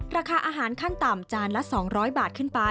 ราคาอาหารขั้นต่ำจานละ๒๐๐บาทขึ้นไป